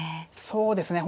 そうですね。